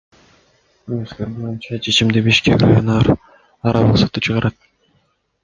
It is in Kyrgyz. Эми сквер боюнча чечимди Бишкек райондор аралык соту чыгарат.